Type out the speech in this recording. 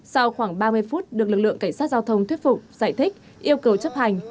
sau khoảng ba mươi phút được lực lượng cảnh sát giao thông thuyết phục giải thích yêu cầu chấp hành